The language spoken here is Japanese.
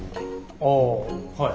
ああはい。